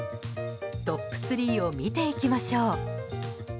トップ３を見ていきましょう。